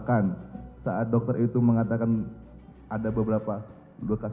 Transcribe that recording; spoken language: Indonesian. sekarang dilakukan pembersihan terhadap luka luka karena ada beberapa bekas lubang tembakan